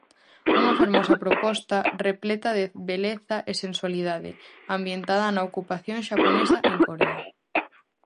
Unha fermosa proposta repleta de beleza e sensualidade, ambientada na ocupación xaponesa en Corea.